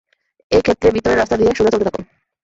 এই ক্ষেতের ভিতরের রাস্তা দিয়ে সোজা চলতে থাকুন।